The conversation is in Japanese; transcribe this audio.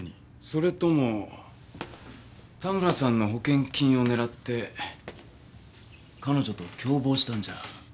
それとも田村さんの保険金を狙って彼女と共謀したんじゃ？